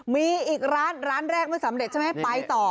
มีอีกร้านร้านแรกไม่สำเร็จใช่ไหมไปต่อ